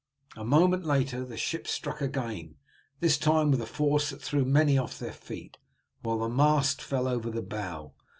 A moment later the ship struck again, this time with a force that threw many off their feet, while the mast fell over the bow.